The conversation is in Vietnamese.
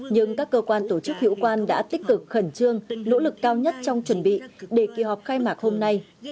nhưng các cơ quan tổ chức hiệu quan đã tích cực khẩn trương nỗ lực cao nhất trong chuẩn bị để kỳ họp khai mạc hôm nay